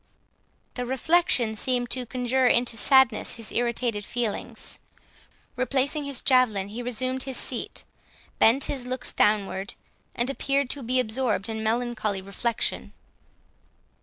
The reflection seemed to conjure into sadness his irritated feelings. Replacing his javelin, he resumed his seat, bent his looks downward, and appeared to be absorbed in melancholy reflection.